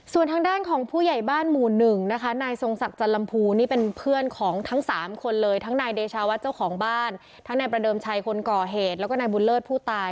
ส่วนทางด้านของผู้ใหญ่บ้านหมู่หนึ่งนะคะนายทรงศักดิ์จันลำพูนี่เป็นเพื่อนของทั้งสามคนเลยทั้งนายเดชาวัดเจ้าของบ้านทั้งนายประเดิมชัยคนก่อเหตุแล้วก็นายบุญเลิศผู้ตาย